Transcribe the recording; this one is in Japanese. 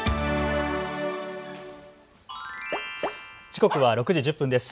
時刻は６時１０分です。